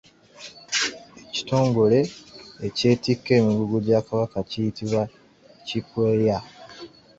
Ekitongole ekyetikka emigugu gya Kabaka kiyitibwa kikweya.